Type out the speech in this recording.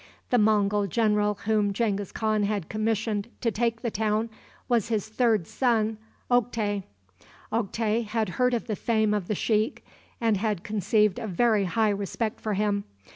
The Mongul general whom Genghis Khan had commissioned to take the town was his third son, Oktay. Oktay had heard of the fame of the sheikh, and had conceived a very high respect for him.